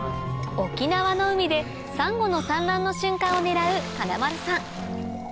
沖縄の海でサンゴの産卵の瞬間を狙う金丸さん